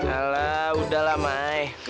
alah udahlah mai